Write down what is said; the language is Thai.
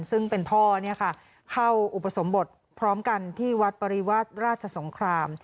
ซึ่งเป็นพ่อเนี้ยค่ะเข้าอุปสรมบทพร้อมกันที่วัดปรีวัตรราชสงคราม